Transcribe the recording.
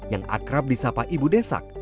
yang akrab di sapa ibu desak